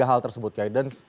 tiga hal tersebut guidance